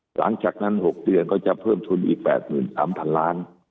หลังจากนั้น๖เดือนก็จะเพิ่มทุนอีก๘๓๐๐๐ล้าน